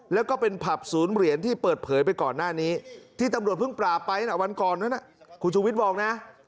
แล้วก็เป็นผับศูนย์เหรียญที่เปิดเผยไปก่อนหน้านี้ที่ตำรวจเพิ่งปราบไปวันก่อนนั้นคุณชูวิทย์บอกนะ